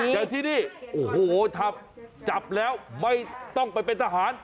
แต่ที่นี่โอ้โหถ้าจับแล้วไม่ต้องไปเป็นทหาร